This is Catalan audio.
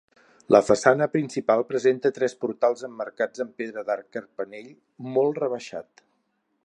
La façana principal presenta tres portals emmarcats amb pedra d'arc carpanell molt rebaixat.